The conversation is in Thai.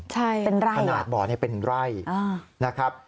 ใช่ขนาดบ่อนเนี่ยเป็นไร่นะครับ